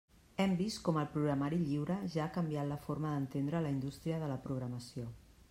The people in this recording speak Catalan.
Hem vist com el programari lliure ja ha canviat la forma d'entendre la indústria de la programació.